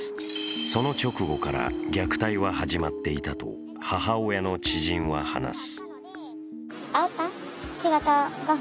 その直後から虐待は始まっていたと母親の知人は話す。